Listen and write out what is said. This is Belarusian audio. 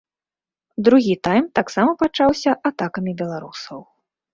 Другі тайм таксама пачаўся атакамі беларусаў.